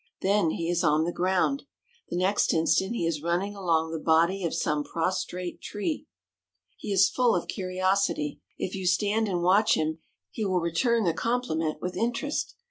Then he is on the ground. The next instant he is running along the body of some prostrate tree. He is full of curiosity. If you stand and watch him, he will return the compliment with interest.